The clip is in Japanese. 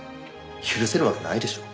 許せるわけないでしょう。